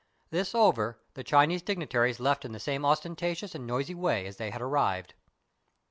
This over, the Chinese dignitaries left in the same ostentatious and noisy way as they had arrived.